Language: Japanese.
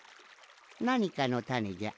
なにかのたねじゃ。